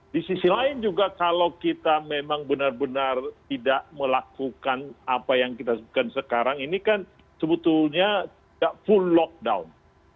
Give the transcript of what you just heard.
di sisi lain juga kalau kita memang benar benar tidak melakukan apa yang kita sebutkan sekarang ini kan sebetulnya tidak full lockdown